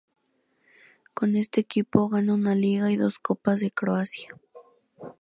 Con este equipo gana una Liga y dos Copas de Croacia.